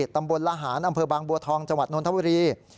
ตำบลละหารอำเภอบางบัวทองจังหวัดนทบุรี